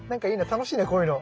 楽しいなこういうの。